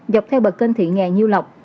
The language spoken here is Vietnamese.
dọc theo bờ kênh thị nghè nhiêu lọc